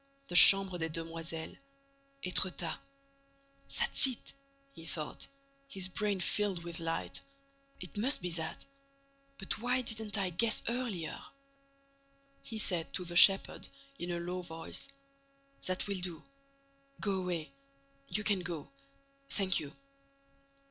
The Chambre des Demoiselles—Étretat— "That's it," he thought, his brain filled with light, "it must be that. But why didn't I guess earlier?" He said to the shepherd, in a low voice: "That will do—go away—you can go—thank you."